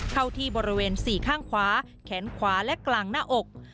เข้าที่บริเวณสี่ข้างขวาแขนขวาและกลางหน้าอก